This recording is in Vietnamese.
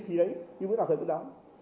nhưng bây giờ thật là họ vẫn đóng